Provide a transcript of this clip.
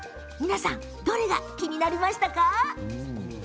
どれが気になりましたか？